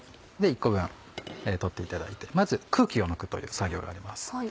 １個分取っていただいてまず空気を抜くという作業があります。